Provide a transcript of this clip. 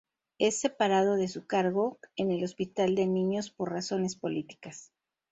Es separado de su cargo en el Hospital de Niños por razones políticas.